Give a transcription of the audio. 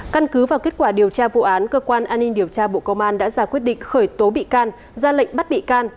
căn cứ vào kết quả điều tra vụ án cơ quan an ninh điều tra bộ công an đã ra quyết định khởi tố bị can ra lệnh bắt bị can